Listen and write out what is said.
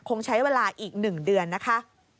คงใช้เวลาอีก๑เดือนนะคะ